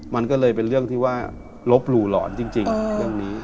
มันก็เลยเป็นเรื่องที่ว่าลบหลู่หลอนจริงเรื่องนี้